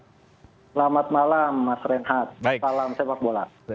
selamat malam mas renhat salam sepak bola